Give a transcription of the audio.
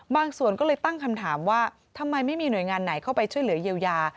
ส่วนก็เลยตั้งคำถามว่าทำไมไม่มีหน่วยงานไหนเข้าไปช่วยเหลือเยียวยา